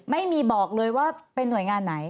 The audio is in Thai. ไม่มีบอกเลยว่าเป็นหน่วยงานไหน